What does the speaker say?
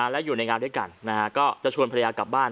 และอยู่ในงานด้วยกันก็จะชวนภรรยากลับบ้าน